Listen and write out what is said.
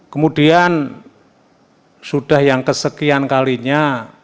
kemudian sudah yang kesekian kalinya